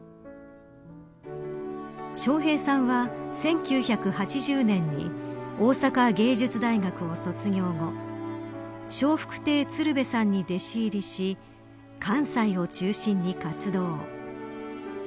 笑瓶さんは、１９８０年に大阪芸術大学を卒業後笑福亭鶴瓶さんに弟子入りし関西を中心に活動。